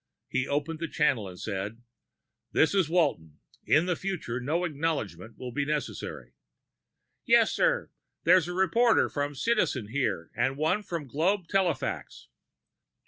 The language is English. He opened the channel and said, "This is Walton. In the future no acknowledgment will be necessary." "Yes, sir. There's a reporter from Citizen here, and one from Globe Telefax."